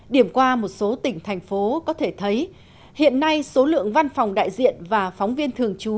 điểm qua một số tỉnh thành phố có thể thấy hiện nay số lượng văn phòng đại diện và phóng viên thường trú